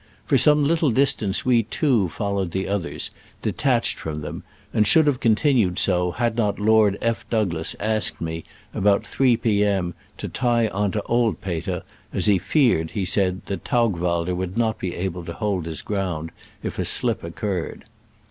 For some little distance we two followed the others, de tached from them, and should have con tinued so had not Lord F. Douglas ask ed me, about 3 p. m., to tie on to old Peter, as he feared, he said, that Taug walder would not be able to hold his ground if a slip occurred.